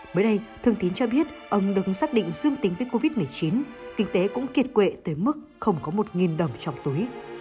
mới đây thương tín cho biết ông đứng xác định dương tính với covid một mươi chín kinh tế cũng kiệt quệ tới mức không có một đồng trong túi